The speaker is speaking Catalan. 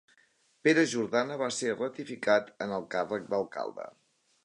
Pere Jordana va ser ratificat en el càrrec d'alcalde.